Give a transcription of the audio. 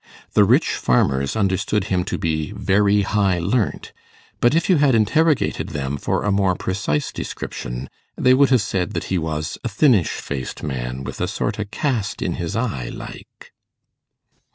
The rich farmers understood him to be 'very high learnt;' but if you had interrogated them for a more precise description, they would have said that he was 'a thinnish faced man, with a sort o' cast in his eye, like'.